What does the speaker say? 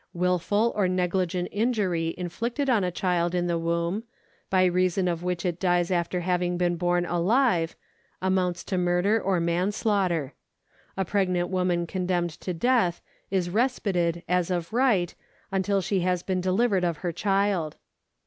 ^ Wilful or neghgent injury inflicted on a child in the womb, by reason of which it dies after having been born alive, amounts to murder or manslaughter.^ A pregnant woman condemned to death is respited as of right, until she has been delivered of her child.